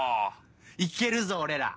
いけるぞ俺ら！